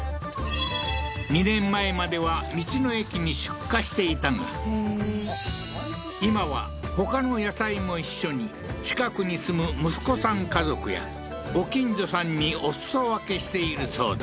２年前までは道の駅に出荷していたが今はほかの野菜も一緒に近くに住む息子さん家族やご近所さんにお裾分けしているそうだ